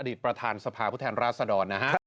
อดีตประธานสภาพุทธแห่งราชดรนะฮะ